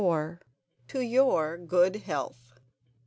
To Your Good Health!